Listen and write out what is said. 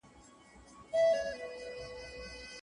خالي ذهن ته یوازي بې مانا او ګډوډ خیالونه راځي.